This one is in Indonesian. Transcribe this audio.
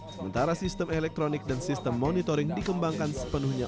sementara sistem elektronik dan sistem monitoring dikembangkan sepenuhnya